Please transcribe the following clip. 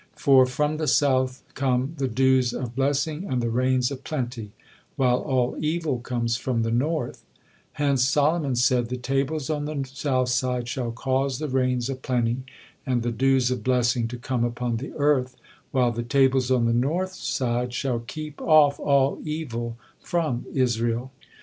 For from the south come "the dews of blessing and the rains of plenty," while all evil comes from the north; hence Solomon said: "The tables on the south side shall cause the rains of plenty and the dews of blessing to come upon the earth, while the tables on the north side shall keep off all evil from Israel."